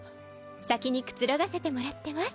先にくつろがせてもらってます。